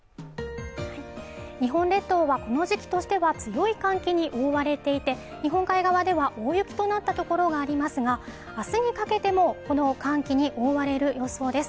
日本列島はこの時期としては強い寒気に覆われていて日本海側では大雪となったところがありますが、明日にかけてもこの寒気に覆われる予想です。